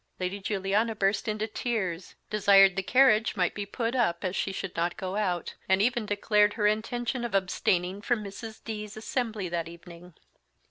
Lady Juliana burst into tears, desired the carriage might be put up, as she should not go out, and even declared her intention of abstaining from Mrs. D 's assembly that evening.